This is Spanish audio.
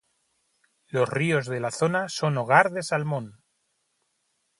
Los ríos de la zona son hogar de salmón.